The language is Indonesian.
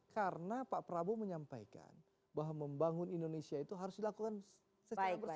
karena pak prabowo menyampaikan bahwa membangun indonesia itu harus dilakukan secara berat